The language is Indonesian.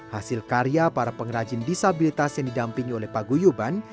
hasil karya para pengrajin disabilitas yang didampingi oleh paguyuban